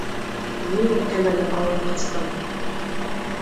— Ниңә кәмәне алып ҡастың?!